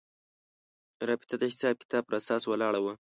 رابطه د حساب کتاب پر اساس ولاړه وه.